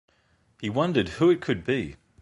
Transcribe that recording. He wondered who it could be.